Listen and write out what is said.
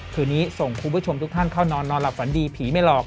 คืนนี้ส่งคุณผู้ชมทุกท่านเข้านอนนอนหลับฝันดีผีไม่หลอก